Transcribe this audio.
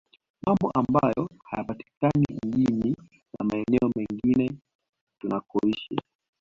Mambo ambayo hayapatikani mjini na maeneo mengine tunakoishi